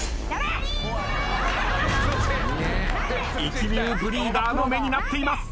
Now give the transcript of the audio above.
一流ブリーダーの目になっています。